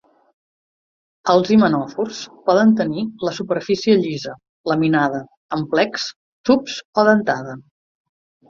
Els himenòfors poden tenir la superfície llisa, laminada, amb plecs, tubs, o dentada.